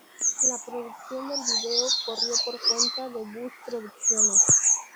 La producción del vídeo corrió por cuenta de Bus Producciones.